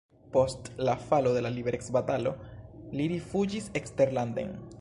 Post la falo de la liberecbatalo li rifuĝis eksterlanden.